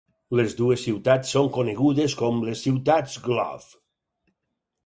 Les dues ciutats són conegudes com les "ciutats Glove".